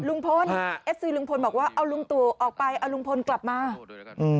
ลุงพลเอฟซีลุงพลบอกว่าเอาลุงตูออกไปเอาลุงพลกลับมานะครับโอ้โฮโดยแล้วกัน